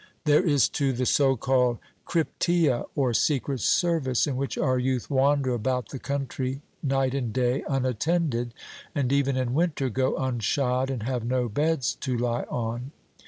There is, too, the so called Crypteia or secret service, in which our youth wander about the country night and day unattended, and even in winter go unshod and have no beds to lie on.